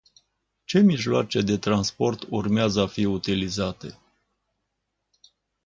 Ce mijloace de transport urmează a fi utilizate?